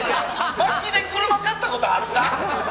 本気で車買ったことある？